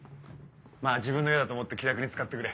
まぁ自分の家だと思って気楽に使ってくれ。